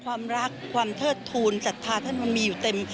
ความรักความเทิดทูลศัฏรามีอยู่เต็ม